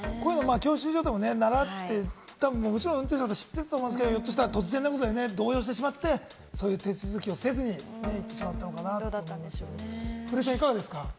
教習所でも習って、もちろん運転手の方は知ってると思うんですけれども、突然のことで動揺してしまって、そういう手続きをせずにしてしまったのかなと思いますけれども、古井さん、いかがですか？